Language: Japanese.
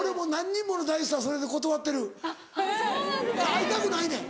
会いたくないねん。